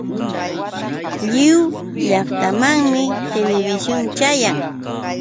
Lliw llaqtakunamanmi televisión chayan.